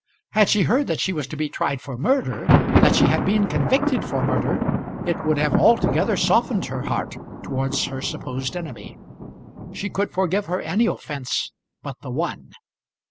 Had she heard that she was to be tried for murder, that she had been convicted for murder, it would have altogether softened her heart towards her supposed enemy. She could forgive her any offence but the one.